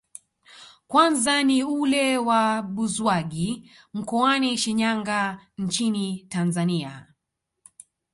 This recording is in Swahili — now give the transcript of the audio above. Kwanza ni ule wa Buzwagi mkoani Shinyanga nchini Tanzania